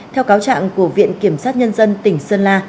theo cáo trạng của viện kiểm sát nhân dân tỉnh sơn la